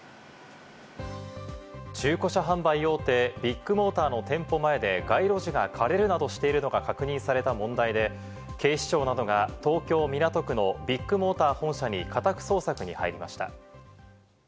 中古車販売大手・ビッグモーターの店舗前で街路樹が枯れるなどしているのが確認された問題で、警視庁などが、東京・港区のビッグモーター本社に家宅捜索に入りました。